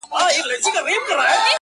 پوهنتون د میني ولوله بس یاره,